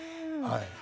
はい。